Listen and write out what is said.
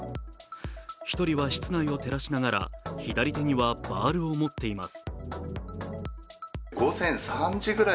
１人は室内を照らしながら、左手にはバールを持っています。